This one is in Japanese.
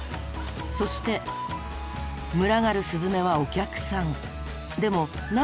そして群がるスズメはお客さん。